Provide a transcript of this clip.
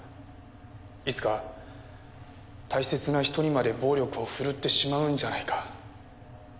いつか大切な人にまで暴力を振るってしまうんじゃないか。